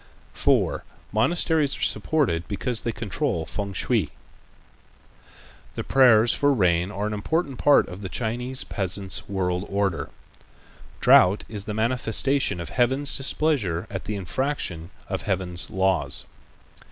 4. Monasteries Are Supported Because They Control Fêng shui The prayers for rain are an important part of the Chinese peasant's world order. Drought is the manifestation of Heaven's displeasure at the infraction of Heaven's laws.